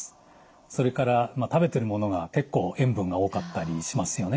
それから食べてるものが結構塩分が多かったりしますよね。